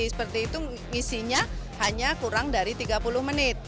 seperti itu ngisinya hanya kurang dari tiga puluh menit